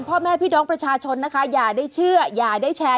พ่อแม่พี่น้องประชาชนนะคะอย่าได้เชื่ออย่าได้แชร์